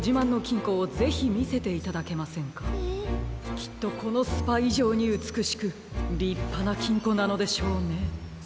きっとこのスパいじょうにうつくしくりっぱなきんこなのでしょうね。